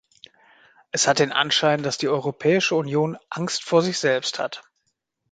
Es hat den Anschein, dass die Europäische Union Angst vor sich selbst hat.